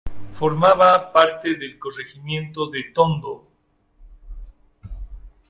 Formaba parte del Corregimiento de Tondo.